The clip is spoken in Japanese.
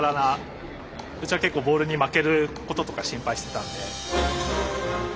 うちは結構ボールに負けることとか心配してたんで。